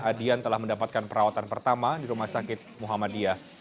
adian telah mendapatkan perawatan pertama di rumah sakit muhammadiyah